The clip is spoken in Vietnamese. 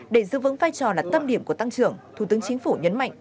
để giữ vững vai trò là tâm điểm của tăng trưởng thủ tướng chính phủ nhấn mạnh